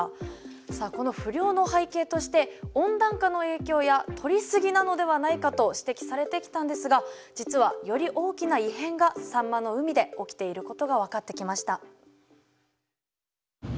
さあこの不漁の背景として温暖化の影響や取り過ぎなのではないかと指摘されてきたんですが実はより大きな異変がサンマの海で起きていることが分かってきました。